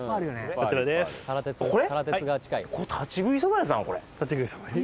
こちらですこれ？